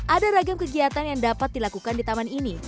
ada ragam kegiatan yang dapat dilakukan di taman ini